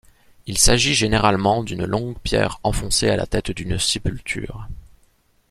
Il s'agit généralement d'une longue pierre enfoncée à la tête d'une sépulture.